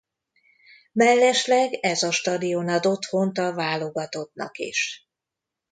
Mellesleg ez a stadion ad otthont a válogatottnak is.